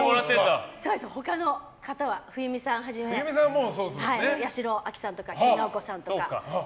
他の方は、冬美さんはじめ八代亜紀さんとか研ナオコさんとか。